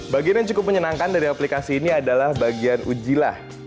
bagian yang cukup menyenangkan dari aplikasi ini adalah bagian ujilah